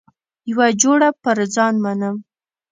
یوه جوړه پر ځان منم.